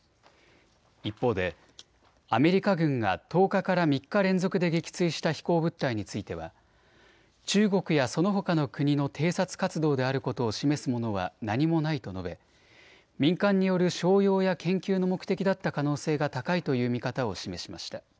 一方でアメリカ軍が１０日から３日連続で撃墜した飛行物体については中国やそのほかの国の偵察活動であることを示すものは何もないと述べ、民間による商用や研究の目的だった可能性が高いという見方を示しました。